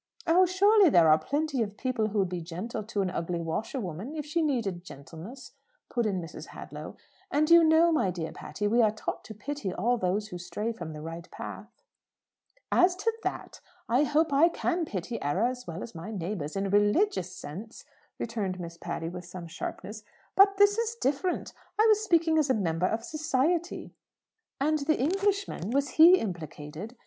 "Oh, surely there are plenty of people who would be gentle to an ugly washerwoman, if she needed gentleness," put in Mrs. Hadlow. "And you know, my dear Miss Patty, we are taught to pity all those who stray from the right path." "As to that, I hope I can pity error as well as my neighbours in a religious sense," returned Miss Patty with some sharpness. "But this is different. I was speaking as a member of society." "And the Englishman was he implicated?"